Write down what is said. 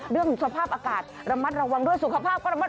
เรื่องสภาพอากาศระมัดระวังด้วยสุขภาพก็ระมัด